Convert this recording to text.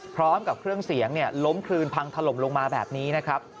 พร้อมกับเครื่องเสียงล้มคลืนพังถล่มลงมาแบบนี้นะครับ